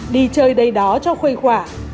đi chơi đầy đó cho khuây khỏa